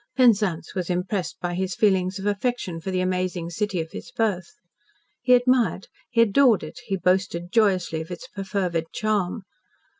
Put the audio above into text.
Penzance was impressed by his feeling of affection for the amazing city of his birth. He admired, he adored it, he boasted joyously of its perfervid charm.